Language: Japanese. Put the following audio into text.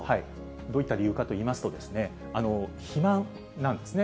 どういった理由かといいますと、肥満なんですね。